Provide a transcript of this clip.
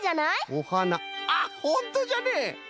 おはなあっほんとじゃね！